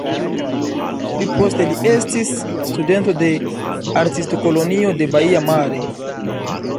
Pli poste li estis studento de Artistkolonio de Baia Mare.